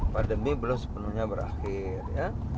pandemi belum sepenuhnya berakhir ya